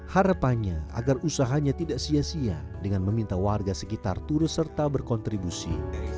harapannya agar usahanya tidak sia sia dengan meminta warga sekitar turut serta berkontribusi